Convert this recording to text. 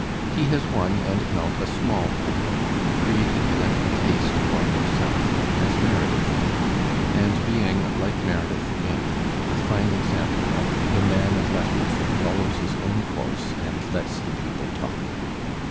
He has won and held a small public, creating in it a taste for himself, as Meredith did, and being, like Meredith again, a fine example of the man of letters who follows his 824 Digitized by Google HENKY JAMES 325 own course and lets the people talk.